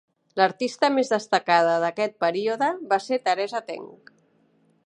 L'artista més destacada d'aquest període va ser Teresa Teng.